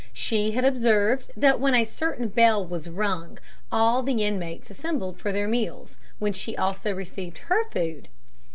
She had observed that when a certain bell was rung, all the inmates assembled for their meals, when she also received her food.